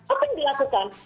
apa yang dilakukan